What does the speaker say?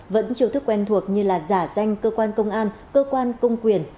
vẫn chiêu thức quen thuộc như là giả danh cơ quan công an cơ quan công quyền